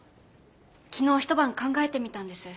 昨日一晩考えてみたんです。